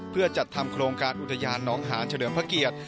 เพื่อจัดทำโครงการอุทยานน้องหานเฉลิมพระเกียรติ